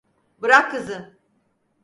Bırak kızı!